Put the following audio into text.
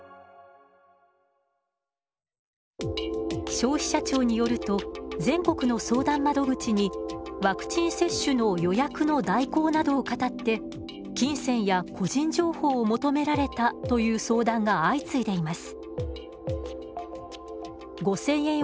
消費者庁によると全国の相談窓口にワクチン接種の予約の代行などをかたって金銭や個人情報を求められたという相談が相次いでいます。